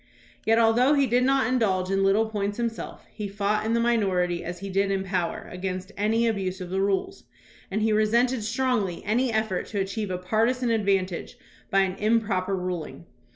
Yet al though he did not indulge in little points himseK, he fought in the minority as he did in power against any abuse of the rules, and he resented strongly any effort to achieve a partisan advantage by an improper ruling.